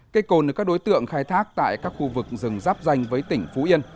cây cồn được các đối tượng khai thác tại các khu vực rừng giáp danh với tỉnh phú yên